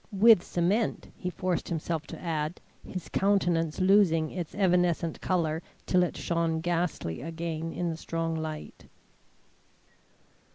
With cement," he forced himself to add, his countenance losing its evanescent colour till it shone ghastly again in the strong light.